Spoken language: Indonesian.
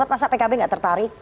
masa pkb nggak tertarik